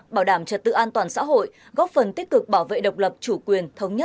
bảo đảm trật tự an toàn xã hội góp phần tích cực bảo vệ độc lập chủ quyền thống nhất